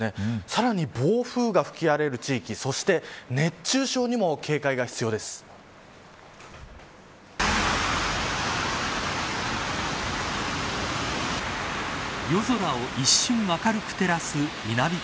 さらに暴風が吹き荒れる地域そして、熱中症にも夜空を一瞬明るく照らす稲光。